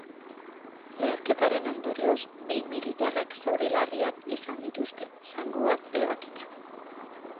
Leherketaren ondorioz, bi militarrek zauri larriak izan dituzte, zangoa ebakita.